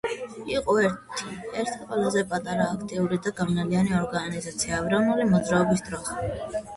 იყო ერთ–ერთი ყველაზე აქტიური და გავლენიანი ორგანიზაცია ეროვნული მოძრაობის დროს.